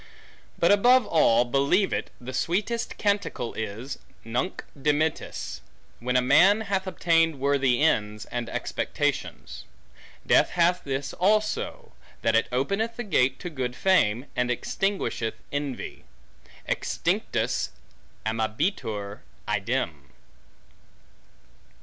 But, above all, believe it, the sweetest canticle is', Nunc dimittis; when a man hath obtained worthy ends, and expectations. Death hath this also; that it openeth the gate to good fame, and extinguisheth envy. Extinctus amabitur idem.